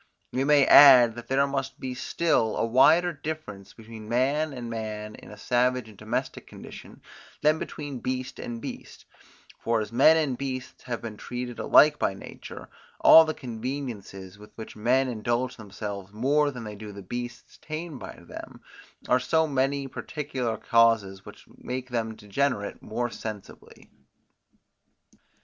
We may add, that there must be still a wider difference between man and man in a savage and domestic condition, than between beast and beast; for as men and beasts have been treated alike by nature, all the conveniences with which men indulge themselves more than they do the beasts tamed by them, are so many particular causes which make them degenerate more sensibly.